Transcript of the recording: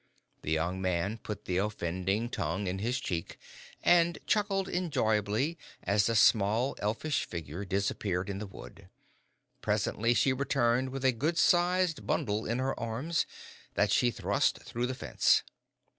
The young man put the offending tongue in his cheek, and chuckled enjoyably as the small, elfish figure disappeared in the wood. Presently she returned with a good sized bundle in her arms, that she thrust through the fence.